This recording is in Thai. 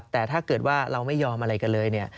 แต่ถ้าเกิดว่าเราไม่ยอมอะไรกันเลยเนี่ย